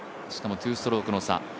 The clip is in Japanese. しかも２ストローク差。